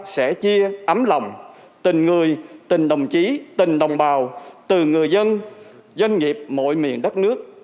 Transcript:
sẽ chia ấm lòng tình người tình đồng chí tình đồng bào từ người dân doanh nghiệp mọi miền đất nước